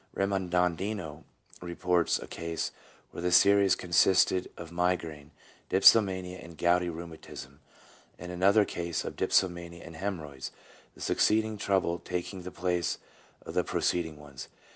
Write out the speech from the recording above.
Remondino 1 reports a case where the series consisted of migraine, dipso mania, and gouty rheumatism ; and another case of dipsomania and hemorrhoids, the succeeding trouble taking the place of the preceding ones.